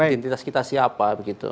identitas kita siapa begitu